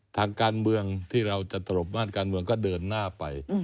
ทางการเมืองที่เราจะตลบม่านการเมืองก็เดินหน้าไป